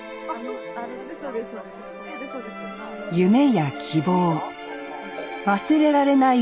夢や希望忘れられない